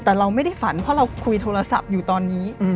แต่เราไม่ได้ฝันเพราะเราคุยโทรศัพท์อยู่ตอนนี้